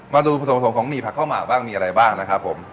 มาดูผสมผสมของหมี่ผักข้าวหมากบ้างมีอะไรบ้างนะครับผม